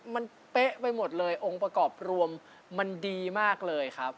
มันเป๊ะไปหมดเลยองค์ประกอบรวมมันดีมากเลยครับ